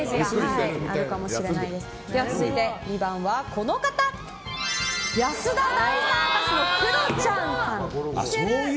続いて、２番安田大サーカスのクロちゃんさん。